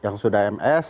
yang sudah diperoleh